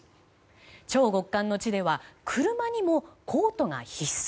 超極寒の地では車にもコートが必須。